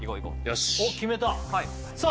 しっおっ決めたさあ